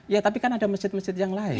ya tapi kan ada masjid masjid yang lain